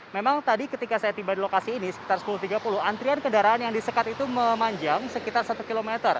memang tadi ketika saya tiba di lokasi ini sekitar sepuluh tiga puluh antrian kendaraan yang disekat itu memanjang sekitar satu km